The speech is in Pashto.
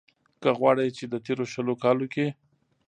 که غواړۍ ،چې د تېرو شلو کالو کې